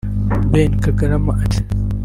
Ben Kagarama ati